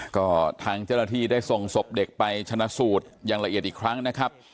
ก็ทางเจ้าหน้าที่ได้ส่งศพเด็กไปชนะสูตรอย่างละเอียดอีกครั้งนะครับ